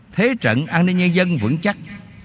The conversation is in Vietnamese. thế trận an ninh nhân dân vững chắc